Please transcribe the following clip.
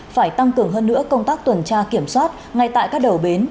phải tăng cường hơn nữa công tác tuần tra kiểm soát ngay tại các đầu bến